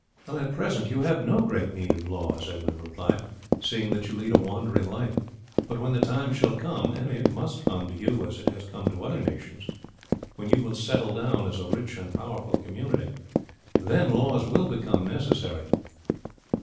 "At present you have no great need of laws," Edmund replied, "seeing that you lead a wandering life; but when the time shall come and it must come to you as it has come to other nations when you will settle down as a rich and peaceful community, then laws will become necessary."